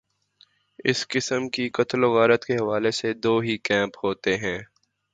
اس قسم کی قتل وغارت کے حوالے سے دو ہی کیمپ ہوتے ہیں۔